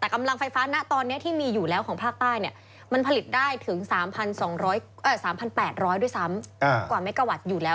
แต่กำลังไฟฟ้านะตอนนี้ที่มีอยู่แล้วของภาคใต้มันผลิตได้ถึง๓๘๐๐ด้วยซ้ำกว่าเมกาวัตต์อยู่แล้ว